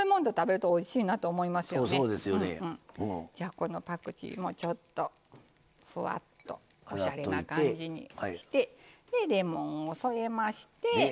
このパクチーもちょっとふわっとおしゃれな感じにしてレモンを添えまして。